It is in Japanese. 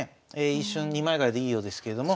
一瞬二枚換えでいいようですけれども。